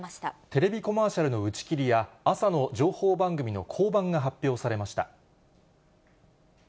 テレビコマーシャルの打ち切りや、朝の情報番組の降板が発表されました。